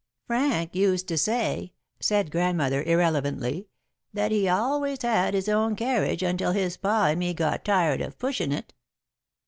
"Frank used to say," said Grandmother, irrelevantly, "that he always had his own carriage until his Pa and me got tired of pushin' it."